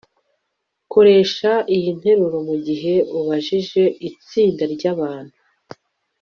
koresha iyi nteruro mugihe ubajije itsinda ryabantu